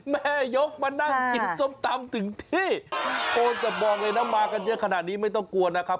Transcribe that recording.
แม่ยกมานั่งกินส้มตำถึงที่โอ้แต่บอกเลยนะมากันเยอะขนาดนี้ไม่ต้องกลัวนะครับ